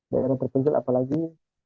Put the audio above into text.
daerah terpencil apalagi